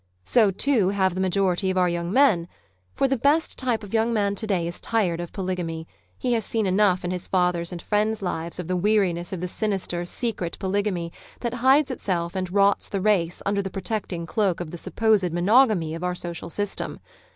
So, too, have the majority of our young men. For the best type of young man to day IS tired of polygamy; he has seen enough in his father's and friends' lives of the weariness of the sinister, secret polygamy, that hides itself and rots the race under the protecting cloak of the supposed monogamy of our social system.